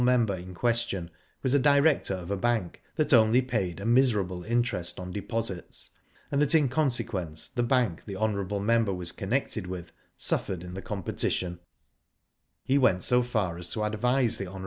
member in question was a director of a bank that only paid a miserable interest on deposits, ,and that, in con sequence, the bank the hon. member was con nected with suffered in the competition. Digitized by Google ISO IV/fO DID ITf He went so far as to advise the hon.